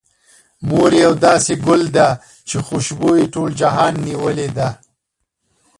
مور يو داسې ګل ده، چې خوشبو يې ټول جهان نيولې ده.